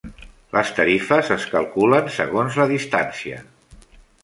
Les tarifes es calculen segons la distància.